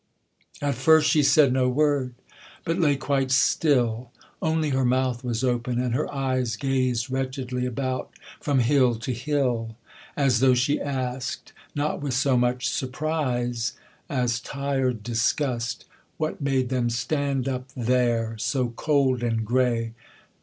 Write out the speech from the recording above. At first she said no word, but lay quite still, Only her mouth was open, and her eyes Gazed wretchedly about from hill to hill; As though she asked, not with so much surprise As tired disgust, what made them stand up there So cold and grey.